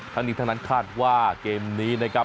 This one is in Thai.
ทั้งนี้ทั้งนั้นคาดว่าเกมนี้นะครับ